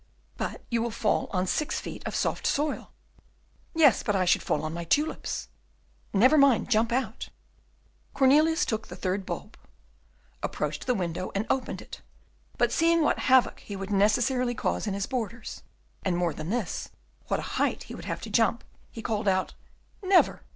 "But you will fall on six feet of soft soil!" "Yes, but I should fall on my tulips." "Never mind, jump out." Cornelius took the third bulb, approached the window and opened it, but seeing what havoc he would necessarily cause in his borders, and, more than this, what a height he would have to jump, he called out, "Never!"